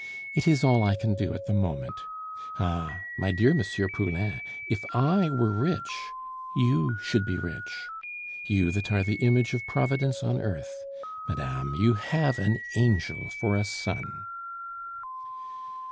"It is all I can do at the moment. Ah! my dear M. Poulain, if I were rich, you should be rich, you that are the image of Providence on earth. Madame, you have an angel for a son."